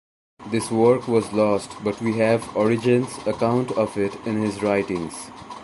This work was lost, but we have Origen's account of it in his writings.